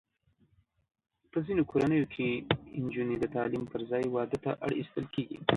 په ځینو کورنیو کې نجونې د تعلیم پر ځای واده ته اړ ایستل کېږي.